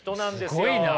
すごいな。